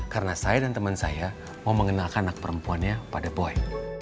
karena saya dan temen saya mau mengenalkan anak perempuannya pada boy